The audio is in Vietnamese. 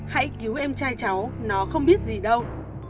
hãy cứu em trai cháu nó không biết gì đâu